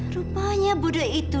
rupanya buddha itu